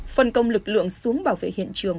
phân công lực lượng xuống bảo vệ hiện trường